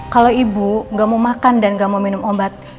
kalau ibu nggak mau makan dan gak mau minum obat